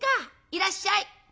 いらっしゃい」。